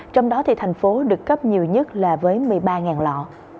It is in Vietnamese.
trong đó thì thành phố được cấp nhiều nhất là với một mươi ba lọ